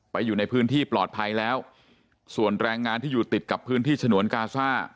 อยู่ในพื้นที่ปลอดภัยแล้วส่วนแรงงานที่อยู่ติดกับพื้นที่ฉนวนกาซ่า